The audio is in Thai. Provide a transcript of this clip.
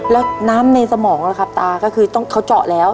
แล้วน้ำในสมองล่ะครับตาก็คือเขาเจาะแล้ว